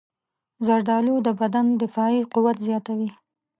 زردالو د بدن دفاعي قوت زیاتوي.